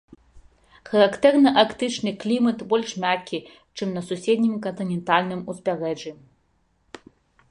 Характэрны арктычны клімат, больш мяккі, чым на суседнім кантынентальным узбярэжжы.